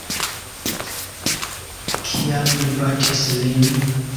Kial mi batis lin?